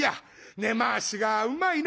根回しがうまいな」。